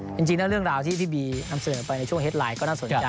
จริงแล้วเรื่องราวที่พี่บีนำเสนอไปในช่วงเฮ็ดไลน์ก็น่าสนใจ